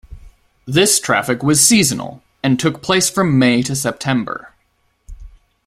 This traffic was seasonal, and took place from May to September.